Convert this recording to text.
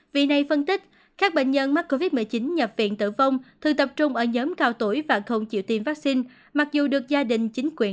vị này phân tích các bệnh nhân mắc covid một mươi chín nhập viện tử vong thường tập trung ở nhóm cao tuổi và không chịu tiêm vaccine